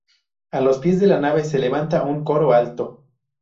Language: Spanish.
A los pies de la nave se levanta un coro alto.